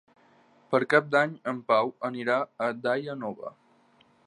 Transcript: Per Cap d'Any en Pau anirà a Daia Nova.